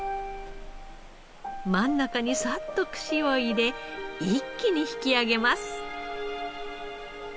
真ん中にサッと串を入れ一気に引き上げます。